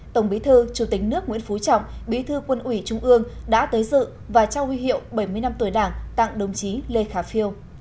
tổng bí thư chủ tịch nước nguyễn phú trọng bí thư quân ủy trung ương đã tới dự và trao huy hiệu bảy mươi năm tuổi đảng tặng đồng chí lê khả phiêu